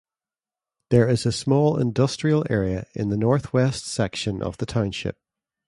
There is a small industrial area in the northwest section of the township.